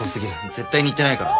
絶対に言ってないから。